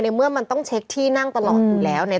เมื่อมันต้องเช็คที่นั่งตลอดอยู่แล้วเนี่ย